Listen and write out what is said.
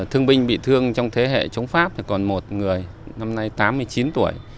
thương binh bị thương trong thế hệ chống pháp còn một người năm nay tám mươi chín tuổi